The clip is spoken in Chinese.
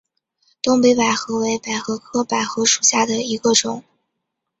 东北百合为百合科百合属下的一个种。